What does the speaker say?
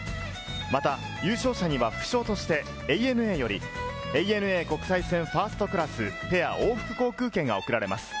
また優勝者には副賞としてＡＮＡより、ＡＮＡ国際線ファーストクラスペア往復航空券が贈られます。